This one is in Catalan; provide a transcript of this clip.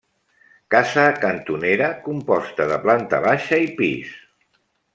Casa cantonera, composta de planta baixa i pis.